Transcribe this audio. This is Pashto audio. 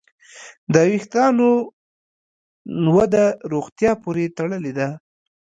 د وېښتیانو وده روغتیا پورې تړلې ده.